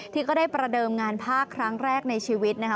ก็ได้ประเดิมงานภาคครั้งแรกในชีวิตนะคะ